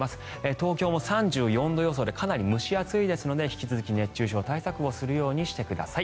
東京も３４度予想でかなり蒸し暑いですので引き続き熱中症対策をするようにしてください。